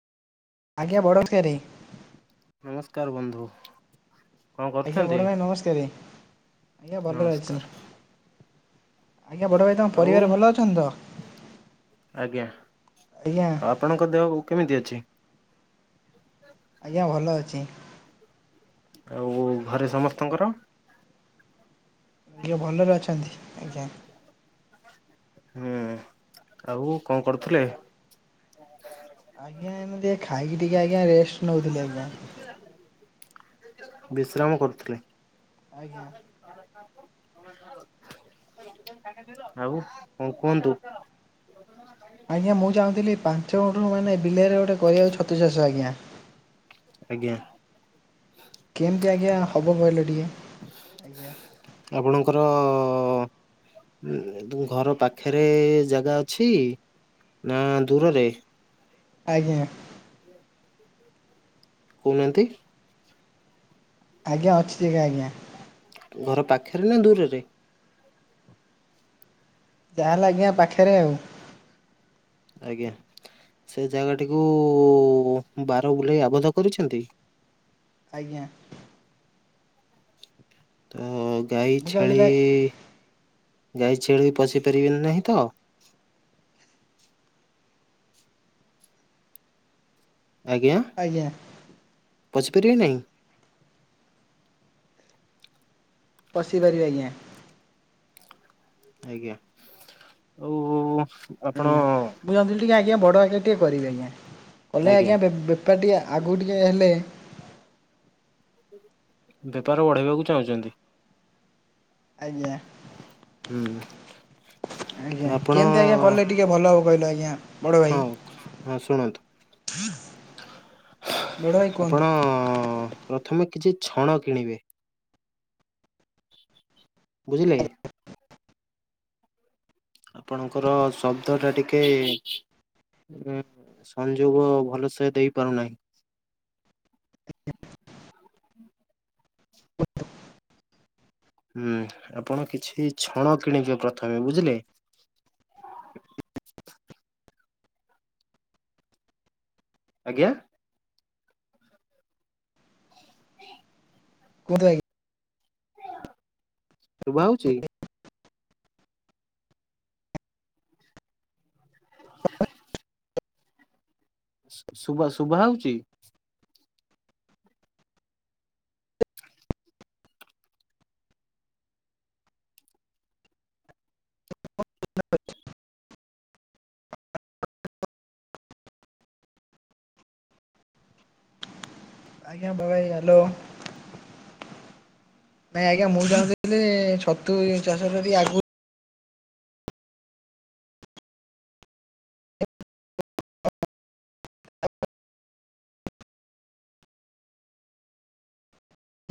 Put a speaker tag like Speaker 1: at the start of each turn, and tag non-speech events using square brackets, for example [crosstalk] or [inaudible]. Speaker 1: ଆଜ୍ଞା ବଡ଼ [inaudible]
Speaker 2: କାର ବନ୍ଧୁ। କଣ
Speaker 1: ଆଜ୍ଞା
Speaker 2: କରୁଛନ୍ତି?
Speaker 1: ବଡ଼ ଭାଇ ନମସ୍କାର। ଆଜ୍ଞା ଭଲରେ ଅଛି।
Speaker 2: ନମସ୍କାର
Speaker 1: ଆଜ୍ଞା ବଡ ଭାଇ ତମ
Speaker 2: ଆଉ
Speaker 1: ପରିବାର ଭଲ ଅଛନ୍ତି ତ।
Speaker 2: ଆଜ୍ଞା
Speaker 1: ଆଜ୍ଞା
Speaker 2: ଆଉ ଆପଣଙ୍କ ଦେହ କେମିତି ଅଛି।
Speaker 1: ଆଜ୍ଞା ଭଲ ଅଛି।
Speaker 2: ଆଉ ଘରେ ସମସ୍ତଙ୍କର
Speaker 1: କିଏ ଭଲରେ ଅଛନ୍ତି ଆଜ୍ଞା।
Speaker 2: ହୁଁ ଆଉ କଣ କରୁଥିଲେ।
Speaker 1: ଆଜ୍ଞା ଏମିତି ଖାଇକି ଟିକେ ଆଜ୍ଞା ରେଷ୍ଟ ନଉଥିଲି ଆଜ୍ଞା।
Speaker 2: ବିଶ୍ରାମ କରୁଥିଲେ।
Speaker 1: ଆଜ୍ଞା।
Speaker 2: ଆଉ କଣ କୁହନ୍ତୁ।
Speaker 1: ଆଜ୍ଞା ମୁଁ ଚାହୁଁଥିଲି ପାଞ୍ଚ ଗୁଣ୍ଠରୁ ମାନେ ବିଲେରେ ଗୋଟେ କରିବାକୁ ଛତୁ ଚାଷ ଆଜ୍ଞା।
Speaker 2: ଆଜ୍ଞା।
Speaker 1: କେମତି ଆଜ୍ଞା ହବ କହିଲ ଟିକେ ଆଜ୍ଞା।
Speaker 2: ଆପଣଙ୍କର ଘର ପାଖରେ ଜାଗା ଅଛି ନା ଦୂରରେ।
Speaker 1: ଆଜ୍ଞା।
Speaker 2: କହୁନାହାନ୍ତି।
Speaker 1: ଆଜ୍ଞା ଅଛି ଆଜ୍ଞା।
Speaker 2: ଘର ପାଖରେ ନା ଦୂରରେ।
Speaker 1: ଯାହାଲେ ଆଜ୍ଞା ପାଖରେ ଆଉ।
Speaker 2: ଆଜ୍ଞା। ସେ ଜାଗାଟିକୁ ବାର ବୁଲେଇ ଆବଦ୍ଧ କରିଛନ୍ତି।
Speaker 1: ଆଜ୍ଞା
Speaker 2: ତ ଗାଈ
Speaker 1: ମୁଁ
Speaker 2: ଛେଳି
Speaker 1: ଚାହୁଁଥିଲି
Speaker 2: ଗାଈ ଛେଳି ବି ପଶି ପାରିବେନି ନାହିଁ ତ।
Speaker 1: ଆଜ୍ଞା?
Speaker 2: ପସିପାରିବେ ନାହିଁ।
Speaker 1: ପଶିପାରିବି ଆଜ୍ଞା।
Speaker 2: ଆଜ୍ଞା ଆଉ ଆପଣ
Speaker 1: ଆଜ୍ଞା ମୁଁ ଜାଥିଲି ଟିକେ ଆଜ୍ଞା ବଡ ଆଜ୍ଞା ଟିକେ କରିବି ଆଜ୍ଞା କଲେ ଆଜ୍ଞା ବେ ଏପା ଟିକେ ଆଗକୁ ଟିକେ ହେଲେ
Speaker 2: ବେପାର ବଢେଇବାକୁ ଚାହୁଁଛନ୍ତି।
Speaker 1: ଆଜ୍ଞା
Speaker 2: ହୁଁ ତ
Speaker 1: ଆଜ୍ଞା
Speaker 2: ଆପଣ
Speaker 1: କେମତି ଆଜ୍ଞା କଲେ ଟିକେ ଭଲ ହବ? କହିଲ ଆଜ୍ଞା। ବଡ଼ ଭାଇ
Speaker 2: ହଁ ହଁ ଶୁଣନ୍ତୁ
Speaker 1: ବଡ଼ ଭାଇ କୁହନ୍ତୁ
Speaker 2: ଆପଣ ପ୍ରଥମେ କିଛି ଛଣ କିଣିବେ। ବୁଝିଲେ ଆପଣଙ୍କର ଶବ୍ଦ ଟା ଟିକେ ଉ ସଂଯୋଗ ଭଲସେ ଦେଇ ପାରୁନାହିଁ।
Speaker 1: [unintelligible]
Speaker 2: ହୁଁ ଆପଣ କିଛି ଛଣ କିଣିବେ ପ୍ରଥମେ ବୁଝିଲେ।
Speaker 1: [unintelligible]
Speaker 2: ଆଜ୍ଞା। [inaudible]
Speaker 1: କୁହନ୍ତୁ ଭାଇ।
Speaker 2: ଶୁଭା ହଉଛି। ଶୁଭ ଶୁଭା ହଉଚି?
Speaker 1: [unintelligible] ଆଜ୍ଞା ବବାଇ ହ୍ୟାଲୋ। ନାଇଁ ଆଜ୍ଞା ମୁଁ ଯାଥିଲେ ଛତୁ ଚାଷ ଯଦି ଆଗ